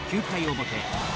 ９回表。